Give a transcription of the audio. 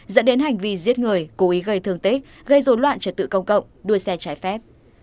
dẫn đến hành vi giết người cố ý gây thương tích gây dối loạn trật tự công cộng đua xe trái phép